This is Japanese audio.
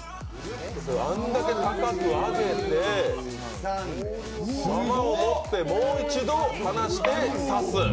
あんだけ高く上げて玉を持って、もう一度離して刺す。